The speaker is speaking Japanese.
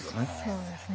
そうですね。